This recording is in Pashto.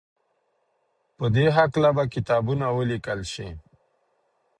په دې هکله به کتابونه وليکل شي.